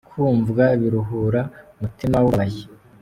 kumvwa biruhura umutima wubabaye